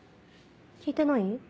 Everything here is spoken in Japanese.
聞いてない？